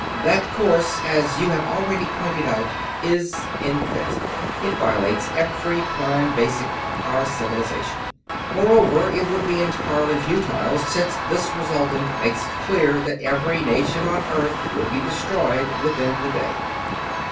"That course, as you have already pointed out, is indefensible. It violates every Prime Basic of our Civilization. Moreover, it would be entirely futile, since this resultant makes it clear that every nation on Earth would be destroyed within the day."